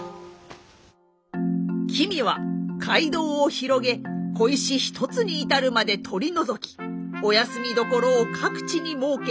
君は街道を広げ小石一つに至るまで取り除きお休みどころを各地に設け